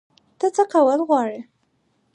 ته څه کول غواړې؟